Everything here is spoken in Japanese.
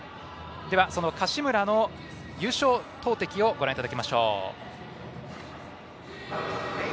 その柏村の優勝投てきをご覧いただきましょう。